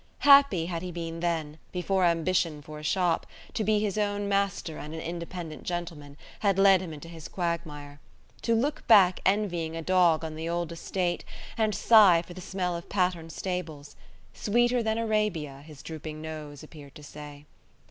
Happy had he been then, before ambition for a shop, to be his own master and an independent gentleman, had led him into his quagmire: to look back envying a dog on the old estate, and sigh for the smell of Patterne stables: sweeter than Arabia, his drooping nose appeared to say.